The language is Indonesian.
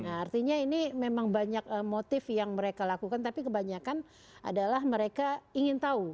artinya ini memang banyak motif yang mereka lakukan tapi kebanyakan adalah mereka ingin tahu